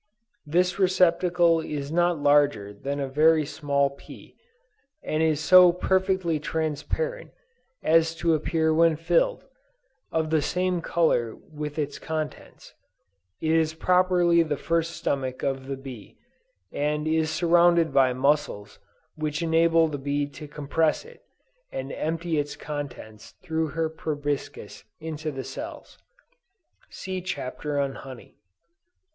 This receptacle is not larger than a very small pea, and is so perfectly transparent, as to appear when filled, of the same color with its contents; it is properly the first stomach of the bee, and is surrounded by muscles which enable the bee to compress it, and empty its contents through her proboscis into the cells. (See Chapter on Honey.)